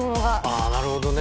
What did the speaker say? ああなるほどね。